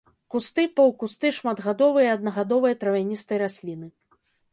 Кусты, паўкусты, шматгадовыя і аднагадовыя травяністыя расліны.